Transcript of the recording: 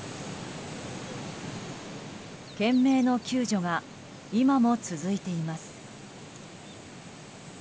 懸命の救助が今も続いています。